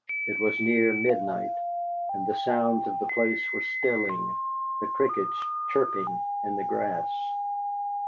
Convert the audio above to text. It was near midnight, and the sounds of the place were stilling, the crickets chirping in the grass.